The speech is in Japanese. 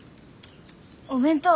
お弁当。